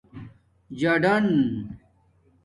جاڈان